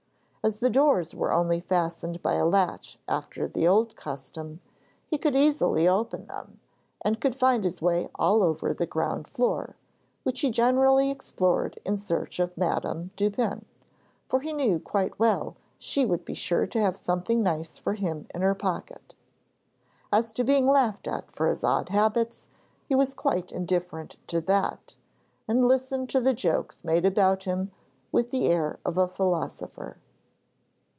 As the doors were only fastened by a latch after the old custom, he could easily open them, and could find his way all over the ground floor, which he generally explored in search of Madame Dupin, for he knew quite well she would be sure to have something nice for him in her pocket. As to being laughed at for his odd habits, he was quite indifferent to that, and listened to the jokes made about him with the air of a philosopher.